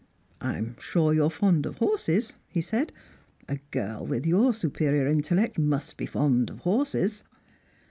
"Pm sure you're fond of horses," he said; "a girl with your 8upei"ior intellect must be fond of horses."